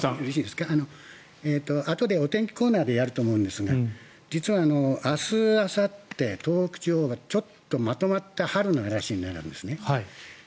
あとでお天気コーナーでやると思うんですが実は、明日あさってがちょっとまとまった春の嵐になるんです。